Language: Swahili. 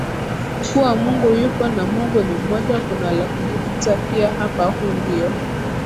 kuwa Mungu yupo na Mungu ni mmoja Kuna la kujifunza pia hapa Huu ndio